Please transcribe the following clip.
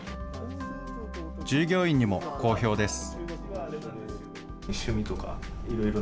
従業員にも好評です。